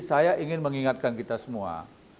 saya ingin mengingatkan kita semua